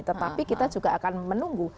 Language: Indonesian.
tetapi kita juga akan menunggu